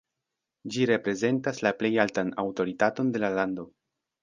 Ĝi reprezentas la plej altan aŭtoritaton de la lando.